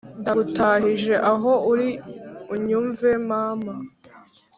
ndagutahije aho uri unyumve mama,